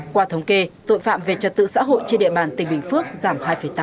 qua thống kê tội phạm về trật tự xã hội trên địa bàn tỉnh bình phước giảm hai tám